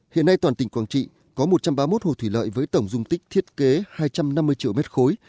hiện nay toàn tỉnh quảng trị có một trăm ba mươi một hồ thủy lợi với tổng dung tích thiết kế hai trăm năm mươi triệu m ba